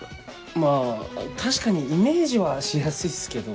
まぁ確かにイメージはしやすいっすけど。